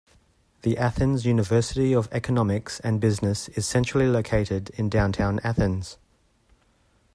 The Athens University of Economics and Business is centrally located in downtown Athens.